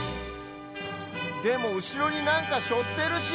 でもうしろになんかしょってるし。